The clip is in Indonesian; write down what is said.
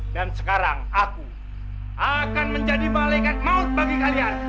dan sekarang aku akan menjadi malaikat maut bagi kalian